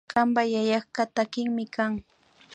Kanpak yayaka takikmi kan